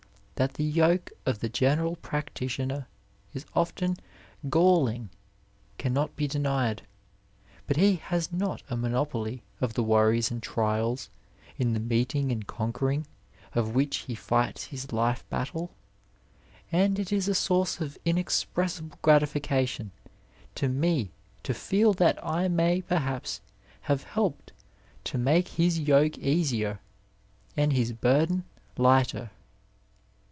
That the yoke of the general practitioner is often galling cannot be denied, but he has not a monopoly of the worries and trials in the meet ing and conquering of which he fights his life battle ; and it is a source of inexpressible gratification to me to feel that Vll Digitized byVjOOQlC viii PREFACE ( may perhaps have helped to make his yoke easier and his burden lighter.